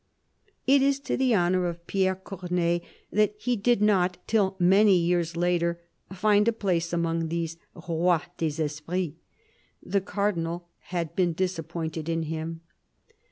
It is to the honour of Pierre Corneille that he did not, till many years later, find a place among these " roys des esprits." The Cardinal had been disappointed in him.